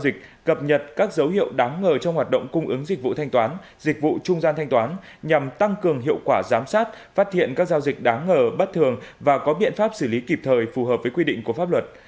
dịch cập nhật các dấu hiệu đáng ngờ trong hoạt động cung ứng dịch vụ thanh toán dịch vụ trung gian thanh toán nhằm tăng cường hiệu quả giám sát phát hiện các giao dịch đáng ngờ bất thường và có biện pháp xử lý kịp thời phù hợp với quy định của pháp luật